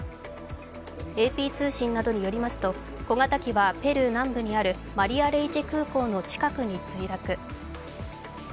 ＡＰ通信などによりますと、小型機はペルー南部にあるマリア・レイチェ空港の近くに墜落。